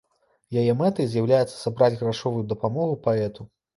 Яе мэтай з'яўляецца сабраць грашовую дапамогу паэту.